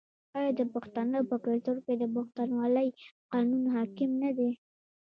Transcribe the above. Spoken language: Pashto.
آیا د پښتنو په کلتور کې د پښتونولۍ قانون حاکم نه دی؟